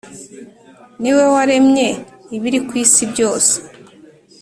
Niwe waremye ibiri ku isi byose